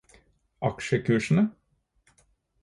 aksjekursene